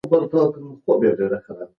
په خیرخانه کې د ترافیکو بېروبار ډېر بې کچې و.